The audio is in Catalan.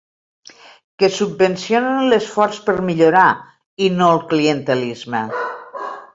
Que subvencionen l’esforç per millorar i no el clientelisme.